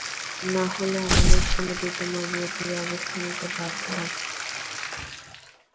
নাহলে, আমাদের সমিতি তোমার বিরুদ্ধে ব্যবস্থা নিতে বাধ্য হবে।